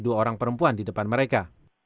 dua orang perempuan di depan mereka